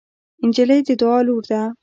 نجلۍ د دعا لور ده.